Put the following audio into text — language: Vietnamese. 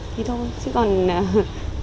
thì thôi chứ còn cũng không dám đòi hỏi gì nhiều